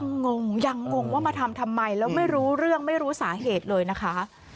งงยังงงว่ามาทำทำไมแล้วไม่รู้เรื่องไม่รู้สาเหตุเลยนะคะ